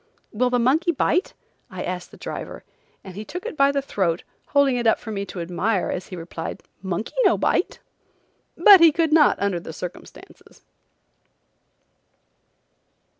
"Will the monkey bite?" I asked the driver, and he took it by the throat, holding it up for me to admire as he replied: "Monkey no bite." But he could not under the circumstances.